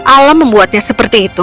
alam membuatnya seperti itu